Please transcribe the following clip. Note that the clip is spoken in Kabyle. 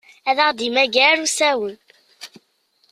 Ad aɣ-d-immager usawen.